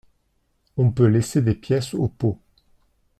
On peut laisser des pièces au pot.